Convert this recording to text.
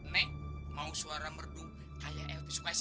nek mau suara merdu kayak elpi suka sih